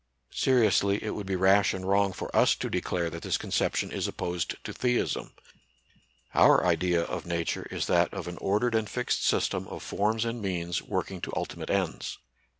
Seriously it would be rash and wrong for us to declare that this conception is opposed to theism. Our idea of Nature is 84 NATURAL SCIENCE AND RELIGION. that of an ordered and fixed system of forms and means working to ultimate ends.